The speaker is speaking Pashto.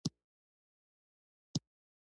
دا له مالي خدماتو سره مل و